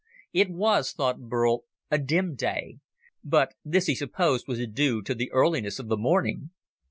It was, thought Burl, a dim day, but this he supposed was due to the earliness of the morning.